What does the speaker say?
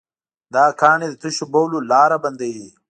دا کاڼي د تشو بولو لاره بندوي.